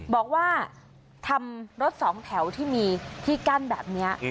บอกว่าทำรถสองแถวที่มีที่กั้นแบบนี้